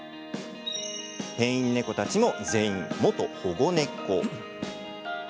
店員猫たちも全員、元保護猫。